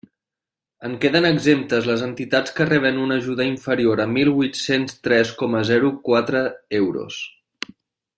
En queden exemptes les entitats que reben una ajuda inferior a mil huit-cents tres coma zero quatre euros.